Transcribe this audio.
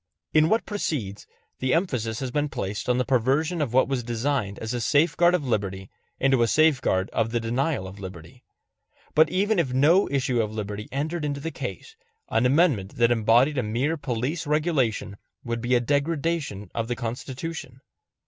In what precedes, the emphasis has been placed on the perversion of what was designed as a safeguard of liberty into a safeguard of the denial of liberty. But even if no issue of liberty entered into the case, an amendment that embodied a mere police regulation would be a degradation of the Constitution.